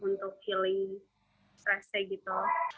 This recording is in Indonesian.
untuk healing stressnya gitu